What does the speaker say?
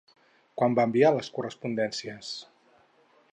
Quan va enviar les correspondències?